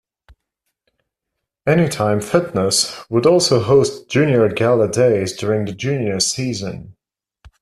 Anytime Fitness would also host junior gala days during the junior season.